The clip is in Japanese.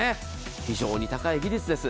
非常に高い技術です。